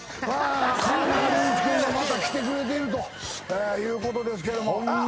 河村隆一君がまた来てくれてるということですけども。